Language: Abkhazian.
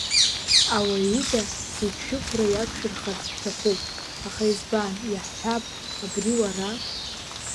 Ауаҩ ида зегьы шәықәра иагшәырхарц шәҭахуп, аха избан, иаҳҳәап, абри уара?